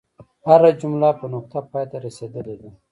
هره جمله په نقطه پای ته رسیدلې ده.